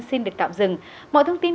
xin được tạm dừng mọi thông tin